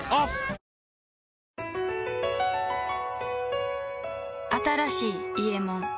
あ新しい「伊右衛門」